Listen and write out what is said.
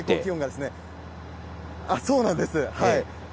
そうなんです。